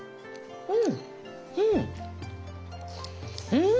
うん！